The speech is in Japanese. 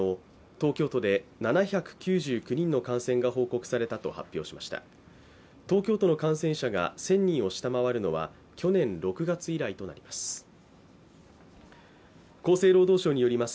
東京都の感染者が１０００人を下回るのは去年６月以来となります。